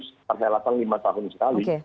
partai latar lima tahun sekali